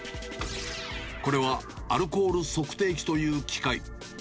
これはアルコール測定器という機械。